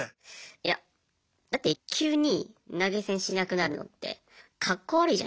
いやだって急に投げ銭しなくなるのってカッコ悪いじゃないすか。